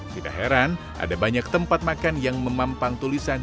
tidak heran ada banyak tempat makan yang memampang tulisan